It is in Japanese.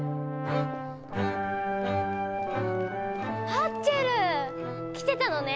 ハッチェル！来てたのね！